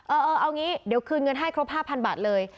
เออเอางี้เดี๋ยวคืนเงินให้ครบ๕๐๐บาทเลย